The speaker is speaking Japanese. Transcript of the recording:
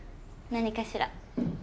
何かしら？